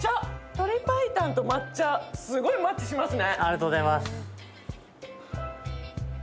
鶏白湯と抹茶、すごいマッチしますね。